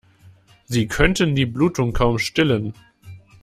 Sie könnten die Blutung kaum stillen.